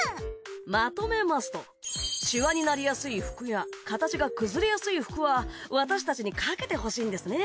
まとめますとシワになりやすい服やかたちがくずれやすい服は私たちにかけてほしいんですね。